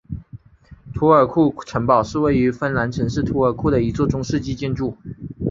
图尔库城堡是位于芬兰城市图尔库的一座中世纪建筑。